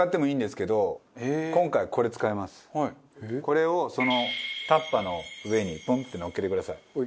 これをそのタッパーの上にポンって乗っけてください。